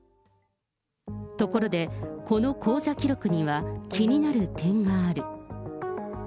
ところで、この口座記録には、気になる点がある。